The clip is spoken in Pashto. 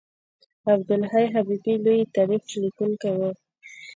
عبدالحی حبیبي لوی تاریخ لیکونکی و.